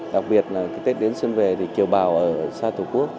đặc biệt là cái tết đến xuân về thì kiều bào ở xa thủ quốc